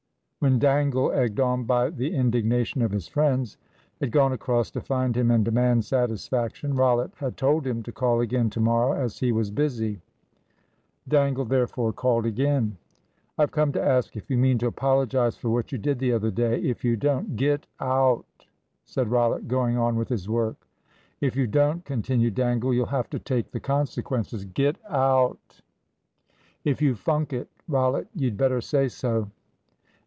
When Dangle, egged on by the indignation of his friends, had gone across to find him and demand satisfaction, Rollitt had told him to call again to morrow, as he was busy. Dangle therefore called again. "I've come to ask if you mean to apologise for what you did the other day? If you don't " "Get out!" said Rollitt, going on with his work. " If you don't," continued Dangle, "you'll have to take the consequences." "Get out!" "If you funk it, Rollitt, you'd better say so."